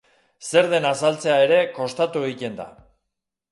Zer den azaltzea ere kostatu egiten da.